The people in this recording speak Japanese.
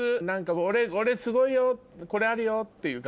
俺すごいよこれあるよっていう方。